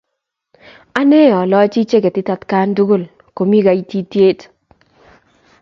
Ane alochi chaketit atkan tukul komi kaitityet.